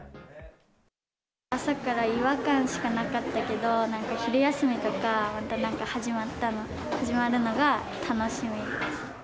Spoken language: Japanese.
朝から違和感しかなかったけど、なんか昼休みとか始まるのが楽しみです。